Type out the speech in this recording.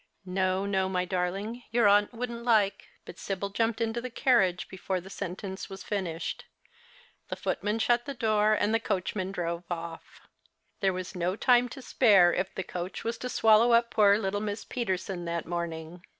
" No, no, my darling, your aunt wouldn't like " But Sibyl jumped into the carriage before the sentence was finished. The footman shut the door, and the coach man drove off. There was no time to spare, if the coach was to swallow up poor little Miss Peterson that morning.